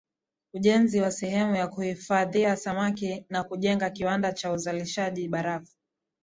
Ujenzi wa sehemu ya kuhifadhia samaki na kujenga kiwanda cha uzalishaji barafu